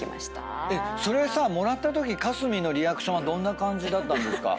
それさもらったときかすみんのリアクションはどんな感じだった？